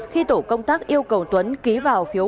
khi tổ công tác yêu cầu tuấn ký vào phiếu